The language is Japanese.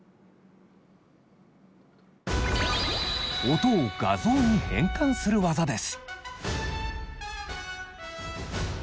音を画像に変換するワザです。